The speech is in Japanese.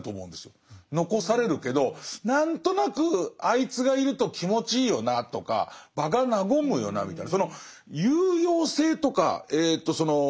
残されるけど何となくあいつがいると気持ちいいよなとか場が和むよなみたいな